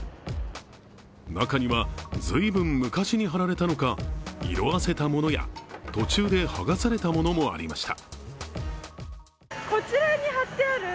中には随分昔に貼られたのか色あせたものや途中で剥がされたものもありました。